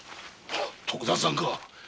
徳田さんか。